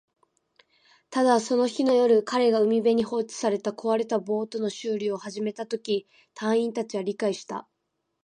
ただ、その日の夜、彼が海辺に放置された壊れたボートの修理を始めたとき、隊員達は理解した